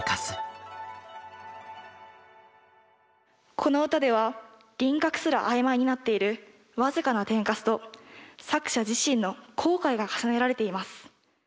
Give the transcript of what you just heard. この歌では輪郭すら曖昧になっている僅かな天カスと作者自身の後悔が重ねられています。